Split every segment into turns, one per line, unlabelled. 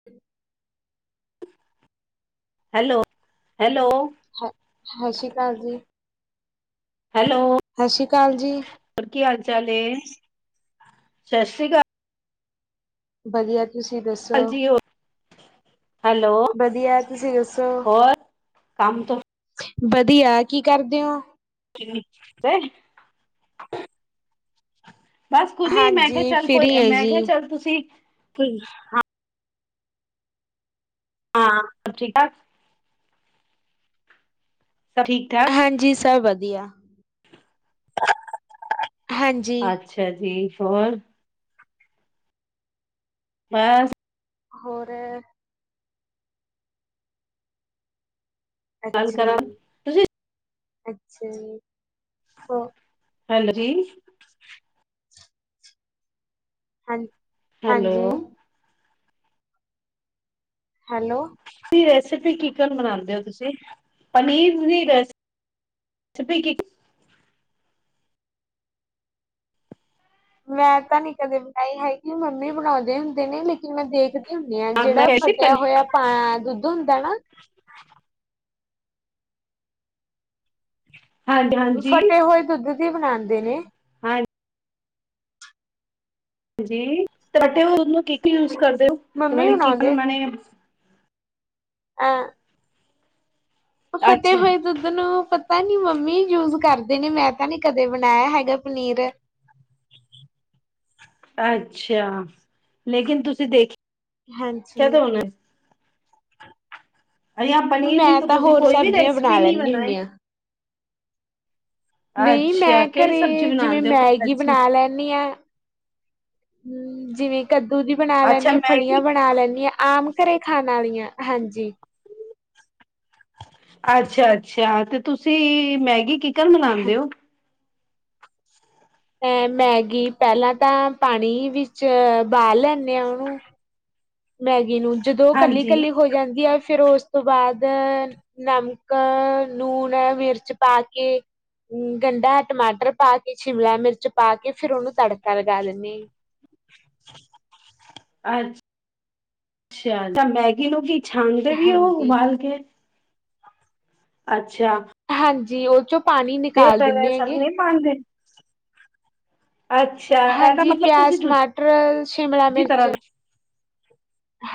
[unintelligible]
Hello, hello.
ਹ ਸਤਿ ਸ਼੍ਰੀ ਅਕਾਲ ਜੀ।
ਹੈਲੋ।
ਸਤਿ ਸ਼੍ਰੀ ਅਕਾਲ ਜੀ।
ਹੋਰ ਕੀ ਹਾਲ ਚਾਲ ਏ? ਸਤਿ ਸ੍ਰੀ ਅਕਾ
ਵਧੀਆ ਤੁਸੀਂ ਦੱਸੋ?
ਜੀ, ਹੋਰ ਹੈਲੋ
ਵਧੀਆ, ਤੁਸੀਂ ਦੱਸੋ?
ਹੋਰ ਕੰਮ ਤੋਂ
ਵਧੀਆ, ਕੀ ਕਰਦੇ ਓਂ?
[inaudible] ਬਸ ਕੁੱਝ ਨੀ ਮੈਂ ਕਿਹਾ
ਹਾਂਜੀ
ਚੱਲ
ਫ੍ਰੀ
ਕੋਈ
ਹੈ
ਮੈਂ
ਜੀ,
ਕਿਹਾ ਚੱਲ ਤੁਸੀਂ ਕੋਈ ਹਾਂ ਸਭ ਠੀਕ ਠਾਕ, ਸਭ ਠੀਕ ਠਾਕ?
ਹਾਂਜੀ ਸਬ ਵਧੀਆ, ਹਾਂਜੀ,
ਅੱਛਾ ਜੀ, ਹੋਰ? ਬਾਸ
ਹੋਰ?
ਗੱਲ
ਅੱਛਾ
ਕਰਾਂ
ਜੀ,
ਤੁਸੀਂ
ਅੱਛਾ ਜੀ ਹੋ
ਹੈਲੋ ਜੀ।
ਹਾਂਜੀ,
ਹੈਲੋ,
ਹੈਲੋ,
ਰੈਸਪੀ ਕੀਕਨ ਬਨਾਦੇ ਹੋ ਤੁਸੀਂ, ਪਨੀਰ ਦੀ ਰੈਸਪ ਰੈਸਪੀ
ਮੈਂ ਤਾਂ ਨੀ ਕਦੇ ਬਣਾਈ ਹੈਗੀ, ਮੰਮੀ ਬਣਾਦੇ ਹੁੰਦੇ ਨੇ ਲੇਕਿਨ ਮੈਂ ਦੇਖਦੀ। ਹੁੰਨੀ ਆ
ਮੈਂ
ਜਿਹੜਾ
ਕਿਹਾ ਸੀ
ਫਟਿਆ
ਪਨੀਰ
ਹੋਇਆ ਪਾ ਦੁੱਧ ਹੁੰਦਾ ਨਾ।
ਹਾਂਜੀ ਹਾਂਜੀ
ਫਟੇ ਹੋਏ ਦੁੱਧ ਦੀ ਬਣਾਂਦੇ ਨੇ,
ਹਾਂਜੀ ਜੀ [unintelligible] ਯੂਜ ਕਰਦੇ ਔ
ਮੰਮੀ ਬਣਾਉਂਦੇ
[unintelligible]
ਆ ਫਟੇ
ਅੱਛਾ
ਹੋਏ ਦੁੱਧ ਨੂੰ ਤਾਂ ਨੀ ਮੰਮੀ ਯੂਜ ਕਰਦੇ ਨੇ ਮੈਂ ਤਾਂ ਨੀ ਕਦੇ ਬਣਾਇਆ ਹੈਗਾ ਪਨੀਰ।
ਅੱਛਾ ਲੇਕਿਨ ਤੁਸੀਂ ਦੇਖੀ
ਹਾਂਜੀ,
ਪਨੀਰ ਦੀ
ਮੈਂ ਤਾਂ
ਤੁਸੀਂ
ਹੋਰ
ਕੋਈ ਵੀ
ਸਬਜ਼ੀਆਂ ਬਣਾ
ਰੈਸਪੀ ਨੀ
ਲੈਂਦੀ
ਬਣਾਈ।
ਹੁੰਦੀ ਹਾਂ। ਨਈ
ਅੱਛਾ
ਮੈਂ
ਕਿਹੜੀ ਸਬਜ਼ੀ
ਘਰੇ ਜਿਵੇਂ
ਬਣਾਉਂਦੇ ਹੋ ਕੋਈ
ਮੈਗੀ
ਅੱਛੀ
ਬਣਾ ਲੈ ਨੀ ਆ, ਜਿਵੇਂ ਕੱਦੂ ਦੀ ਬਣਾ
ਅੱਛਾ
ਲੈਂਨੀ ਹਾਂ ਫਲੀਆਂ
ਮੈਗੀ
ਬਣਾ ਲੈਂਨੀ ਆ। ਆਮ ਘਰੇ ਖਾਣ ਆਲੀਆਂ ਹਾਂਜੀ।
ਅੱਛਾ ਅੱਛਾ ਤੇ ਤੁਸੀਂ ਮੈਗੀ ਕਿਕਨ ਬਨਾਦੇ ਔ।
ਅ ਮੈਗੀ ਪਹਿਲਾਂ ਤਾਂ ਪਾਣੀ ਵਿੱਚ ਬਾਲ ਲੈਂਨੇ ਹਾਂ ਉਹਨੂੰ ਮੈਗੀ ਨੂੰ ਜਦੋਂ ਕੱਲੀ
ਹਾਂਜੀ
ਕੱਲੀ ਹੋ ਜਾਂਦੀ ਆ ਫਿਰ ਉਸ ਉਸ ਤੋਂ ਬਾਅਦ ਨਮਕ ਲੂਣ ਮਿਰਚ ਪਾ ਕੇ ਗੰਢਾ ਟਮਾਟਰ ਪਾ ਕੇ ਸ਼ਿਮਲਾ ਮਿਰਚ ਪਾ ਕੇ ਫੇਰ ਉਹਨੂੰ ਤੜਕਾ ਲਗਾ ਲਿਨੀ ਆ।
ਅੱਛਾ ਤਾਂ ਮੈਗੀ ਮੂਗੀ, ਛਣਦੇ ਵੀ ਉਹ
ਹਾਂਜੀ
ਉਬਾਲ ਕੇ? ਅੱਛਾ,
ਹਾਂਜੀ ਉਹ ਚੋਂ ਪਾਣੀ ਨਿਕਾਲ ਦਿੰਨੇ ਆ ਗੇ।
ਮੰਨਦੇ, ਅੱਛਾ ਇਹਦਾ
ਹਾਂਜੀ
ਮਤਲਬ ਤੁਸੀਂ,
ਪਿਆਜ
ਦੂ
ਟਮਾਟਰ ਸ਼ਿਮਲਾ
ਦੂਜੀ
ਮਿਰਚ
ਤਰ੍ਹਾਂ ਦੇ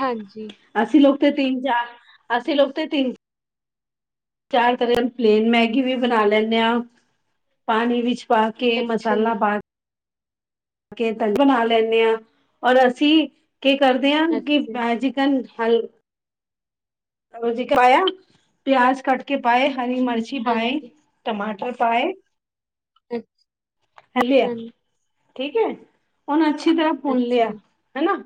ਹਾਂਜੀ,
ਅਸੀਂ ਲੋਕ ਤੇ ਤੀਨ ਚਾਰ ਅਸੀ ਲੋਕ ਤੇ ਤੀਨ ਚਾਰ ਤਰ੍ਹਾਂ ਪਲੇਨ ਮੈਗੀ ਵੀ ਬਣਾ ਲੈਂਨੇ ਆ ਪਾਣੀ ਵਿੱਚ ਪਾ ਕੇ
ਅੱਛਾ
ਮਸਾਲਾ ਪਾ ਕੇ ਕੇ ਤਨ ਬਣਾ ਲੈਂਨੇ ਆ ਔਰ ਅਸੀਂ ਕੀ ਕਰਦੇ ਆ, ਕਿ
ਅੱਛਾ
ਮੈਜਿਕਲ ਹਲ ਪਾਇਆ। ਪਿਆਜ ਕੱਟ ਕੇ ਪਾਏ, ਹਰੀ ਮਾਰਚੀ ਪਾਈ।
ਹਾਂਜੀ
ਟਮਾਟਰ ਪਾਏ। ਹਲਿਆ
ਅੱਛਾ
ਠੀਕ ਐ, ਉਹਨੂੰ ਅੱਛੀ ਤਰ੍ਹਾਂ ਭੰਨ
ਅੱਛਾ
ਲਿਆ ਹਨਾ।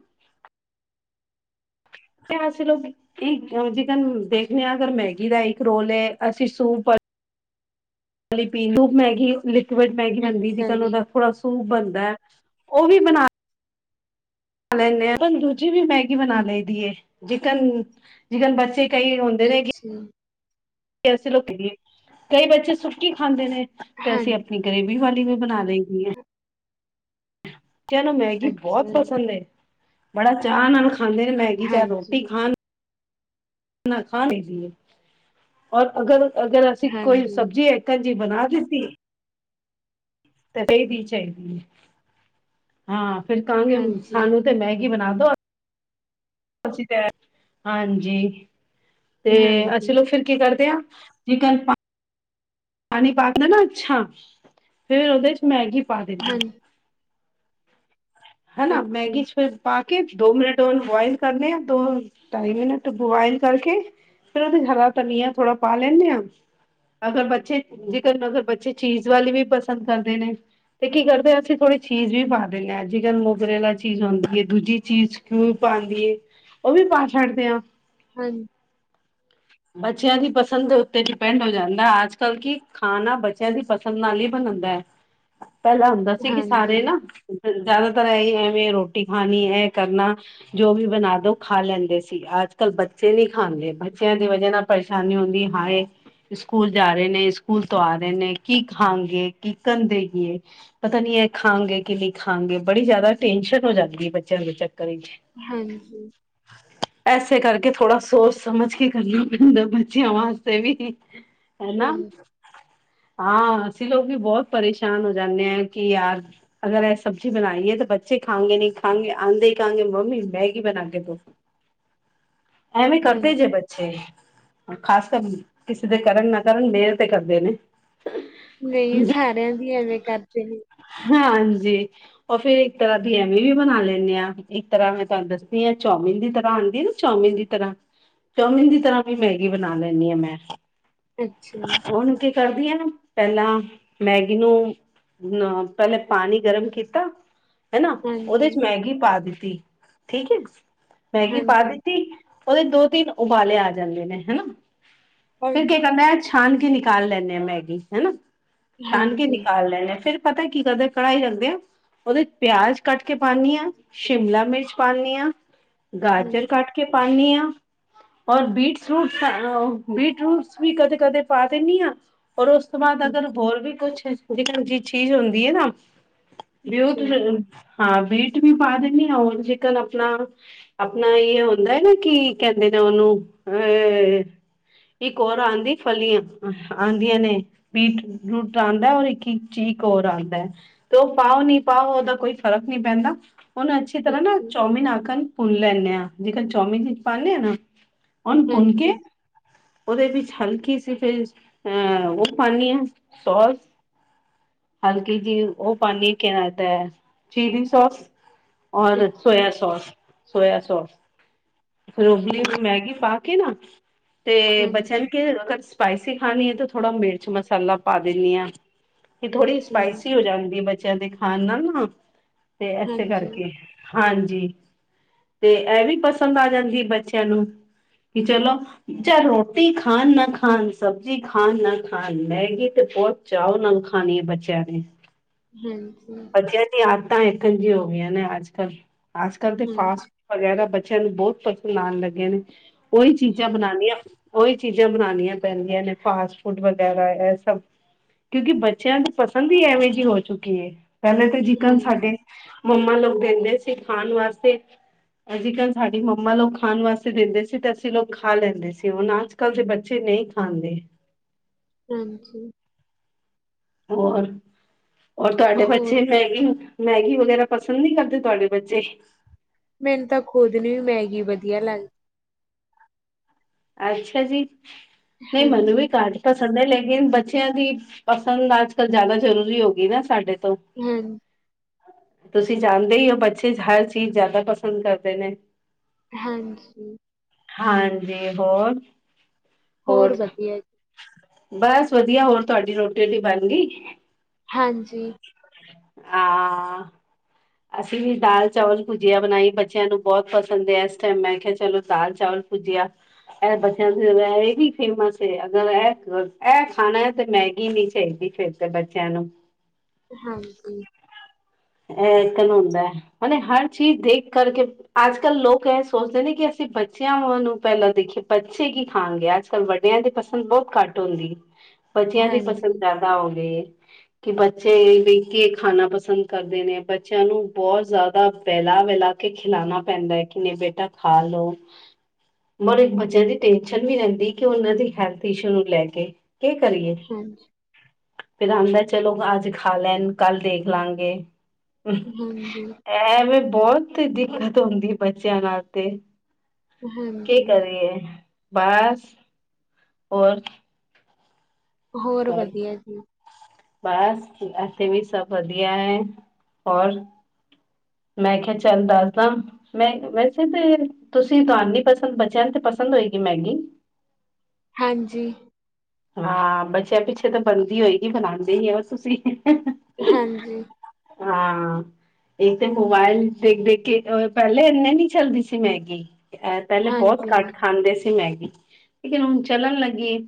ਕੈਸੀ ਲੋਗੀ ਇੱਕ ਜਿਕਨ ਦੇਖਦੇ ਆ ਅਗਰ ਮੈਗੀ ਦਾ ਇੱਕ ਰੋਲ ਲਿਆ ਅਸੀਂ ਸੂਪ ਪ ਸੂਪ ਮੈਗੀ ਲਿਕੁਿਡ ਮੈਗੀ ਬਣਦੀ
ਅੱਛਾ
ਜਿੱਦਾਂ
ਜੀ
ਉਹਦਾ ਥੋੜਾ ਸੂਪ ਬਣਦਾ, ਉਹ ਵੀ ਬਣਾ ਖਾ ਲੈਂਦੇ ਆ, ਦੂਜੀ ਵੀ ਮੈਗੀ ਬਣਾ ਲਈ ਦੀ ਏ। ਜਿਕਨ, ਜਿਕਨ ਬੱਚੇ ਕਈ
ਅੱਛਾ।
ਅਸੀ ਲੱਗਦੀ ਏ, ਕਈ ਬੱਚੇ ਸੁੱਕੀ ਖਾਂਦੇ ਨੇ ਤੇ ਅਸੀਂ
ਹਾਂਜੀ
ਗਰੇਵੀ ਵਾਲੀ ਵੀ ਬਣਾ ਲ‌ਈ ਦੀ ਆ।
[inaudible]
ਬੱਚਿਆਂ ਨੂੰ ਮੈਗੀ ਬਹੁਤ
ਅੱਛਾ ਜੀ
ਪਸੰਦ ਏ। ਬੜਾ ਚਾਅ ਨਾਲ ਖਾਂਦੇ ਨੇ ਮੈਗੀ ਚਾਹੇ ਰੋਟੀ
ਹਾਂਜੀ
ਖਾਣ ਨਾ ਖਾਣ, ਐਹ ਚਾਹੀਦੀ ਏ। ਔਰ ਅਗਰ ਅਗਰ ਅਸੀਂ ਕੋਈ
ਹਾਂਜੀ
ਸਬਜ਼ੀ ਕਦੀ ਬਣਾ ਦਿੱਤੀ ਤੇ ਫੇਰ ਵੀ ਚਾਹੀਦੀ ਏ। ਹਾਂ, ਫੇਰ ਕਹਾਂਗੇ
ਹਾਂਜੀ
ਸਾਨੂੰ ਤੇ ਮੈਗੀ ਬਣਾ ਦੋ। [unintelligible] ਹਾਂਜੀ ਤੇ ਅ
ਹਾਂਜੀ,
ਚਲੋ ਫੇਰ ਕੀ ਕਰਦੇ ਆ, ਜਿਕਨ ਪਾ ਪਾਣੀ ਪਾਨੇ ਆ ਨਾ ਅੱਛਾ। ਫੇਰ ਉਹਦੇ ਚ ਮੈਗੀ ਪਾ
ਹਾਂ
ਦਿੱਤੀ। ਹਨਾ,
ਅੱਛਾ,
ਮੈਗੀ ਚ ਫੇਰ ਪਾ ਕੇ ਦੋ ਮਿੰਨਟ ਉਹਨੂੰ ਬੁਆਇਲ ਕਰਲਿਆ ਦੋ-ਢਾਈ ਮਿੰਨਟ ਬੁਆਇਲ ਕਰਕੇ ਫੇਰ ਉਹਦੇ ਹਰਾ ਧਨੀਆ ਥੋੜਾ ਪਾ ਲੈਨੇ ਆ। ਅਗਰ ਬੱਚੇ ਜੇਕਰ ਅਗਰ ਬੱਚੇ ਚੀਜ ਵਾਲੀ ਵੀ ਪਸੰਦ ਕਰਦੇ ਨੇ। ਤੇ ਕੀ ਕਰਦੇ ਅਸੀ ਥੋੜੀ ਚੀਜ਼ ਵੀ ਪਾ ਦਿੰਨੇ ਆ। ਜਿਕਨ ਮੋਗਰੇਲਾ ਚੀਜ਼ ਹੁੰਦੀ ਏ ਦੂਜੀ ਚੀਜ਼ ਕਿਉ ਪਾਦੀ ਏ। ਉਹ ਵੀ ਪਾ ਛੱਡਦੇ ਆ।
ਹਾਂਜੀ।
ਬੱਚਿਆਂ ਦੀ ਪਸੰਦ ਦੇ ਉੱਤੇ ਡਿਪੈਂਡ ਹੋ ਜਾਂਦਾ ਅੱਜ-ਕੱਲ ਕੀ ਖਾਣਾ ਬੱਚਿਆਂ ਦੀ ਪਸੰਦ ਨਾਲ ਹੀ ਬਣਦੈ। ਪਹਿਲਾ ਹੁੰਦਾ ਸੀ ਕਿ
ਹਾਂਜੀ,
ਸਾਰੇ ਨਾ ਜ਼ਿਆਦਾਤਰ ਐਹੀ ਐ ਵੀ ਰੋਟੀ ਖਾਣੀ ਐਹ ਕਰਨਾ। ਜੋ ਵੀ ਬਣਾ ਦੋ ਖਾ ਲੈਂਦੇ ਸੀ, ਅੱਜ-ਕੱਲ ਬੱਚੇ ਨੀ ਖਾਂਦੇ ਬੱਚਿਆਂ ਦੀ ਵਜਾ ਨਾਲ ਪਰੇਸ਼ਾਨੀ ਹੁੰਦੀ ਏ, ਹਾਏ ਸਕੂਲ ਜਾ ਰਹੇ ਨੇ। ਸਕੂਲ ਤੋਂ ਆ ਰਹੇ ਨੇ ਕੀ ਖਾਣਗੇ ਕੀ ਕੰ ਦੇਗੀਏ। ਪਤਾ ਨੀ ਏਹ ਖਾਣਗੇ ਕਿ ਨ‌ਈ ਖਾਣਗੇ ਬੜੀ ਜ਼ਿਆਦਾ ਟੈਨਸ਼ਨ ਹੋ ਜਾਂਦੀ ਏ ਬੱਚਿਆਂ ਦੇ ਚੱਕਰ ਵਿੱਚ।
ਹਾਂਜੀ।
ਐਸੇ ਕਰਕੇ ਥੋੜਾ ਸੋਚ-ਸਮਝ ਕੇ ਕਰਨਾ ਪੈਂਦਾ ਬੱਚਿਆਂ ਵਾਸਤੇ ਵੀ।
ਹਾਂ
ਹੈਨਾ? ਹਾਂ। ਅਸੀਂ ਲੋਕ ਵੀ ਬਹੁਤ ਪਰੇਸ਼ਾਨ ਹੋ ਜਾਨੇ ਆ ਕਿ ਯਾਰ ਅਗਰ ਐ ਸਬਜ਼ੀ ਬਣਾਈ ਏ ਤੇ ਬੱਚੇ ਖਾਣਗੇ ਨ‌ਈ ਖਾਣਗੇ ਆਂਦੇ ਹੀ ਕਹਿਣਗੇ ਮੰਮੀ ਮੈਗੀ ਬਣਾ ਕੇ ਦ‌ਓ। ਐਵੀ ਕਰਦੇ ਜੇ
ਹਾਂਜੀ,
ਬੱਚੇ। ਖਾਸ ਕਰ ਕਿਸੇ ਦੇ ਕਰਨ ਨਾ ਕਰਨ ਮੇਰੇ ਤੇ ਕਰਦੇ ਨੇ।
ਨ‌ਈ ਸਾਰਿਆਂ ਦੀ ਐਵੇ ਕਰਦੇ ਨੇ।
ਹਾਜੀ। ਉਹ ਫੇਰ ਇੱਕ ਤਰ੍ਹਾਂ ਦੀ ਐਮੀ ਵੀ ਬਣਾ ਲੈਣੇ ਆ ਇੱਕ ਤਰ੍ਹਾਂ ਮੈਂ ਤੁਹਾਨੂੰ ਦੱਸਦੀ ਆ ਚਾਓਮਿਨ ਦੀ ਤਰ੍ਹਾਂ ਆਦੀ ਐ ਨਾ। ਚਾਓਮਿਨ ਦੀ ਤਰ੍ਹਾਂ ਚਾਓਮਿਨ ਦੀ ਤਰ੍ਹਾਂ ਵੀ ਮੈਗੀ ਬਣਾ ਲੈਨੀ ਆ ਮੈਂ।
ਅੱਛਾ,
ਹੁਣ ਕੀ ਕਰਦੀ ਆ ਪਹਿਲਾ ਮੈਗੀ ਨੂੰ ਨਾ ਪਹਿਲੇ ਪਾਣੀ ਗਰਮ ਕੀਤਾ। ਹਨਾ ਉਹਦੇ
ਹਾਂਜੀ,
ਚ ਮੈਗੀ ਪਾ ਦਿੱਤੀ ਠੀਕ ਹੈ ਮੈਗੀ ਪਾ
ਹਾਂਜੀ,
ਦਿੱਤ ਉਹਦੇ ਦੋ-ਤਿੰਨ ਉਬਾਲੇ ਆ ਜਾਂਦੇ ਨੇ ਹਨਾ ਫੇਰ ਕੀ
ਹਾਂਜੀ,
ਕਿੰਰਨੈ ਛਾਨ ਕੇ ਨਿਕਾਲ ਲੈਂਦੇ ਹਾਂ ਮੈਗੀ ਹਨਾ ਛਾਨ ਕੇ
ਹਾਂਜੀ,
ਨਿਕਾਲ ਲੈਂ ਹਾਂ ਫਿਰ ਪਤਾ ਕਿ ਕਰਦੇ ਕੜ੍ਹਾਈ ਰਖਦੇ ਆ। ਉਹਦੇ ਚ ਪਿਆਜ ਕੱਟ ਕੇ ਪਾਣੀ ਹਾਂ, ਸ਼ਿਮਲਾ ਮਿਰਚ ਪਾਣੀ ਹਾਂ, ਗਾਜਰ
ਹਾਂਜੀ,
ਕੱਟ ਕੇ ਪਾਣੀਆ। ਔਰ ਬੀਟ ਫੂਟ [inaudible] ਬੀਟ ਰੂਟਸ ਵੀ ਕਦੇ ਕਦੇ ਪਾ ਦਿੰਨੀ ਹਾਂ। ਹੋਰ ਉਸ ਤੋਂ ਬਾਅਦ ਅਗਰ
ਅੱਛਾ,
ਹੋਰ ਵੀ ਕੁਛ ਜੇਕਰ [unintelligible] ਜਿ ਚੀਜ਼ ਹੁੰਦੀ ਹੈ ਨਾ ਬਊ
ਅੱਛਾ,
[unintelligible] ਹਾਂ ਬੀਟ ਵੀ ਪਾ ਦਿੰਦੀ ਹਾਂ ਹਰ ਚਿਕਨ ਆਪਣਾ ਆਪਣਾ ਯੇ ਹ ਹੁੰਦਾ ਨਾ ਕੀ ਕਹਿੰਦੇ ਨੇ ਉਹਨੂੰ ਅ ਇਕ ਔਰ ਆਉਂਦੀ ਫਲੀਆਂ ਆਉਂਦੀਆਂ ਨੇ। ਬੀਟ ਰੂਟ ਆਉਂਦਾ ਹੈ ਔਰ ਇੱਕ ਇੱਕ ਚੀਕ ਹੋਰ ਆਉਂਦੈ। ਤੇ [unintelligible] ਉਹ ਪਾਓ ਨਹੀਂ ਪਾਓ ਉਹਦਾ ਕੋਈ ਫ਼ਰਕ ਨਹੀਂ ਪੈਂਦਾ। ਉਹਨੂੰ ਅੱਛੀ ਤਰ੍ਹਾਂ ਨਾ
ਅੱਛਾ,
ਚੌਮਿਨ ਆਕਨ ਭੁੰਨ ਲੈਂਦੇ ਆਂ ਜੇਕਰ ਚੌਮਿਨ ਚ ਪਾਉਦੇ ਆ ਨਾ। ਉਹਣ ਭੂੰਨ ਕੇ
ਹਾਂਜੀ,
ਉਹਦੇ ਵਿੱਚ ਹਲਕੀ ਸੀ ਫਿਰ ਅ ਉਹ ਪਾਦੀ ਹਾਂ ਸੋਸ ਹਲਕੀ ਜੀ ਉ ਪਾਣੀ ਕਿ ਨਾ ਦੈ ਚੀਲੀ ਸੋਸ ਔਰ
ਅੱਛਾ,
ਸੋਇਆ ਸੋਸ ਸੋਇਆ ਸੋਸ ਿਰੋਬਲੀ
ਠੀਕ,
[unintelligible] ਮੈਗੀ ਪਾ ਕੇ ਨਾ ਤੇ ਬਚਿਆਂ
ਹਾਂਜੀ,
ਨੂੰ ਕੇ [unintelligible] ਸਪਾਈਸੀ ਖਾਣੀ ਹੈ ਤੇ ਥੋੜ੍ਹਾ ਮਿਰਚ ਮਸਾਲਾ ਪਾ ਦਿੰਦੀ ਆ। ਇਹ ਥੋੜ੍ਹੀ
ਅੱਛਾ,
ਸਪਾਈਸੀ ਹੋ ਜਾਂਦੀ ਹੈ ਬੱਚਿਆਂ ਦੇ ਖਾਣ ਨਾਲ ਨਾ ਤੇ ਇਸੇ
ਹਾਂਜੀ,
ਕਰਕੇ ਹਾਂਜੀ ਤੇ ਇਹ ਵੀ ਪਸੰਦ ਆ ਜਾਂਦੀ ਬੱਚਿਆਂ ਨੂੰ ਕਿ ਚਲੋ ਚਾਏ ਰੋਟੀ ਖਣ ਨਾ ਖਣ ਸਬਜ਼ੀ ਖਣ ਨਾਲ ਖਣ ਮੈਗੀ ਤੇ ਬਹੁਤ ਚਾਹ ਨਾਲ ਖਾਣੀ ਹੈ ਬੱਚਿਆਂ ਨੇ।
ਹਾਂਜੀ
ਬੱਚਿਆਂ ਦੀ ਆਦਤਾਂ ਇੱਕ ਜਿ ਹੋ ਗਈਆਂ ਨੇ ਅੱਜ-ਕੱਲ੍ਹ, ਅੱਜ-ਕੱਲ੍ਹ ਫਾਸਟ
ਹਾਂਜੀ,
ਵਗੈਰਾ ਬੱਚਿਆਂ ਨੂੰ ਬਹੁਤ ਪਸੰਦ ਆਉਣ ਲੱਗੇ ਨੇ ਉਹੀ ਚੀਜ਼ਾਂ
ਹਾਂ,
ਬਣਾਉਣੀਆਂ। ਉਹੀ ਚੀਜ਼ਾਂ ਬਣਾਉਣੀਆਂ ਪੈਂਦੀਆਂ ਨੇ ਫਾਸਟ ਫੂਡ ਵਗੈਰਾ ਇਹ ਸਭ ਕਿਉਂਕਿ ਬੱਚਿਆਂ ਦੀ ਪਸੰਦ ਹੀ ਐਵੇਂ ਜਿਹੀ ਹੋ ਚੁੱਕੀ ਏ ਪਹਿਲੇ ਤਾਂ ਜਿਕਨ ਸਾਡੇ
ਹਾਂਜੀ,
ਮੰਮਾ ਲੋਕ ਕਹਿੰਦੇ ਸੀ ਖਾਣ ਵਾਸਤੇ ਅਜ-ਕੱਲ੍ਹ ਸਾਡੀ ਮੰਮਾ ਲੋਕ ਖਾਣ ਵਾਸਤੇ ਦਿੰਦੇ ਸੀ ਤੇ ਅਸੀਂ ਲੋਕ ਖਾ ਲੈਂਦੇ ਸੀ। ਉਹ ਅੱਜ ਅੱਜ-ਕੱਲ ਦੇ ਬੱਚੇ ਨਹੀਂ ਖਾਂਦੇ।
ਹਾਂਜੀ
ਹੋਰ, ਹੋਰ ਤੁਹਾਡੇ ਬੱਚੇ
ਹੋਰ
ਮੈਂਗੀ ਮੈਗੀ ਵਗੈਰਾ ਪਸੰਦ ਨਹੀਂ ਕਰਦੇ ਤੁਹਾਡੇ ਬੱਚੇ
ਮੈਨੂੰ ਤਾਂ ਖੁਦ ਨੂੰ ਵੀ ਮੈਗੀ ਵਧੀਆ ਲੱਗਦੀ।
ਅੱਛਾ ਜੀ ਨਹੀਂ ਮੈਨੂੰ ਵੀ
ਹਾਂਜੀ,
ਕਾਟ ਪਸੰਦ ਹੈ ਲੇਕਿਨ ਬੱਚਿਆਂ ਦੀ ਪਸੰਦ ਅੱਜ-ਕੱਲ ਜ਼ਿਆਦਾ ਜ਼ਰੂਰੀ ਹੋ ਗਈ ਨਾ ਸਾਡੇ ਤੋਂ।
ਹੂੰ
ਤੁਸੀਂ ਜਾਣਦੇ ਹੀ ਹੋ ਬੱਚੇ ਹਰ ਚੀਜ਼ ਜ਼ਿਆਦਾ ਪਸੰਦ ਕਰਦੇ ਨੇ
ਹਾਂਜੀ
ਹਾਂਜੀ ਹੋਰ
ਹੋਰ ਵਧੀਆ ਜੀ
ਬਸ ਵਧੀਆ ਹੋਰ ਤੁਹਾਡੀ ਰੋਟੀ ਰੁਟੀ ਬਣ ਗਈ
ਹਾਂਜੀ
ਆਂ ਅਸੀਂ ਵੀ ਦਾਲ ਚਾਵਲ ਭੁਜੀਆ ਬਣਾਈ ਬੱਚਿਆਂ ਨੂੰ ਬਹੁਤ ਪਸੰਦ ਹੈ ਏਸ ਟਾਈਮ ਮੈਂ ਕਿਹਾ ਚਲੋ ਦਾਲ ਚਾਵਲ ਪੁੱਜਿਆ ਐਹ ਬੱਚਿਆਂ ਦੀ ਇਹ ਵੀ ਫੇਮਸ ਅਗਰ ਐਹ ਐਹ ਖਾਣਾ ਹੈ ਤੇ ਮੈਗੀ ਨੀ ਚਾਹੀਦੀ ਫੇਰ ਤੇ ਬੱਚਿਆਂ ਨੂੰ
ਹਾਂਜੀ
ਐ ਏਕਨ ਹੁੰਦਾ ਮਤਲਬ ਹਰ ਚੀਜ਼ ਦੇਖ ਕਰਕੇ ਅੱਜ ਕੱਲ੍ਹ ਲੋਕ ਐਹ ਸੋਚਦੇ ਨੇ ਕਿ ਅਸੀਂ ਬੱਚਿਆਂ ਨੂੰ ਪਹਿਲਾਂ ਦੇਖੀਏ ਬੱਚੇ ਕੀ ਖਾਣਗੇ ਅੱਜ ਕੱਲ੍ਹ ਵੱ ਮਿਆਂ ਦੀ ਪਸੰਦ ਬਹੁਤ ਘੱਟ ਹੁੰਦੀ ਬੱਚਿਆਂ ਦੀ ਪਸੰਦ
ਹਾਂਜੀ,
ਜਿਆਦਾ ਹੋ ਗਈ ਏ ਕਿ ਬੱਚੇ ਕੀ ਖਾਣਾ ਪਸੰਦ ਕਰਦੇ ਨੇ ਬੱਚਿਆਂ ਨੂੰ ਬਹੁਤ ਜ਼ਿਆਦਾ ਵੈਲਾ ਵੈਲਾ ਕੇ ਖਿਲਾਣਾ ਪੈਂਦਾ ਕਿ ਨਹੀਂ ਬੇਟਾ ਖਾ ਲਓ
[inaudible]
ਮਰ ਇੱਕ ਬੱਚਿਆਂ ਦੀ ਟੈਨਸ਼ਨ ਨੀ ਰਹਿੰਦੀ ਕਿ ਉਹਨਾਂ ਦੀ ਹੈਲਥ ਇਸ਼ੂ ਨੂੰ ਲੈ ਕੇ ਕੇ ਕਰੀਏ
ਹਾਂਜੀ,
ਫੇਰ ਆਉਂਦਾ ਚਲੋ ਅੱਜ ਖਾ ਲੈਣ ਕੱਲ ਦੇਖ ਲਾਂਗੇ
ਹਮ ਹਮ
ਐਵੇਂ ਬਹੁਤ ਦਿੱਕਤ ਹੁੰਦੀ ਬੱਚਿਆਂ ਨਾਲ ਤੇ ਕੀ
ਹਾਂਜੀ।
ਕਰੀਏ ਬਸ ਹੋਰ
ਹੋਰ ਵਧੀਆ ਜੀ
ਬਸ ਇਥੇ ਵੀ ਸਭ ਵਧੀਆ ਹੈ ਹੋਰ ਮੈਂ ਕਿਆ ਚੱਲ ਦੱਸਦਾ ਮੈਂ ਵੈਸੇ ਤੇ ਤੁਸੀਂ ਦਾਨੀ ਪਸੰਦ ਬੱਚਿਆਂ ਨੂੰ ਤੇ ਪਸੰਦ ਹੋਏਗੀ ਮੈਗੀ
ਹਾਂਜੀ
ਹਾਂ ਬੱਚਿਆਂ ਪਿੱਛੇ ਤੇ ਬਣਦੀ ਹੋਏਗੀ ਬਣਾਉਂਦੇ ਹੋ ਤੁਸੀਂ
ਹਾਂਜੀ
ਹਾਂ ਇਕ ਤੇ ਮੋਬਾਇਲ ਦੇਖ ਦੇਖ ਕੇ ਪਹਿਲੇ ਇੰਨੇ ਨਹੀਂ ਚੱਲਦੀ ਸੀ ਮੈਗੀ ਐਹ ਪਹਿਲੇ ਬਹੁਤ
ਹਾਂਜੀ।
ਘੱਟ ਖਾਂਦੇ ਸੀ ਮੈਗੀ ਲੇਕਿਨ ਹੁਣ ਚੱਲਣ ਲੱਗੀ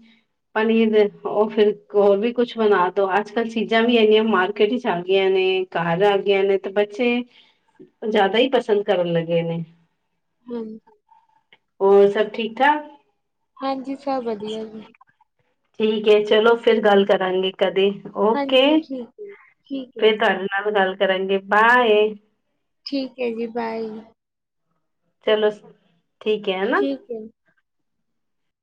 ਪਨੀਰ ਉਹ ਫੇਰ ਹੋਰ ਵੀ ਕੁਛ ਬਣਾ ਦੋ ਅੱਜ ਕੱਲ ਚੀਜ਼ਾਂ ਵੀ ਇੰਨੀਆਂ ਮਾਰਕੀਟ 'ਚ ਆ ਗਈਆਂ ਨੇ ਘਰ ਆ ਗਈਆ ਨੇ ਤੇ ਬੱਚੇ ਜ਼ਿਆਦਾ ਹੀ ਪਸੰਦ ਕਰਨ ਲੱਗੇ ਨੇ
ਹਾਂਜੀ
ਔਰ ਸਭ ਠੀਕ ਠਾਕ
ਹਾਂਜੀ ਸਭ ਵਧੀਆ ਜੀ
ਠੀਕ ਹੈ ਚਲੋ ਫਿਰ ਗੱਲ ਕਰਾਂਗੇ ਕਦੇ ਓਕੇ
ਹਾਂਜੀ ਠੀਕ ਹੈ, ਠੀਕ ਹੈ
ਫੇਰ
ਜੀ,
ਧਨ ਕਲ ਗੱਲ ਕਰਾਂਗੇ ਬਾਏ
ਠੀਕ ਐ ਜੀ ਬਾਏ
ਚਲੋ ਠੀਕ ਐ ਹਨਾ
ਠੀਕ ਹੈ।